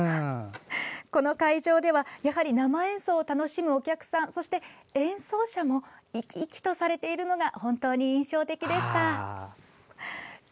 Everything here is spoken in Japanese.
この会場では生演奏を楽しむお客さん演奏者も生き生きとされているのが本当に印象的でした。